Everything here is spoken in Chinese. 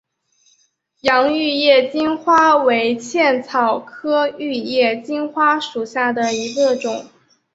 洋玉叶金花为茜草科玉叶金花属下的一个种。